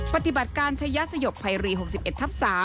ปฏิบัติการชายสยบภัยรี๖๑ทับ๓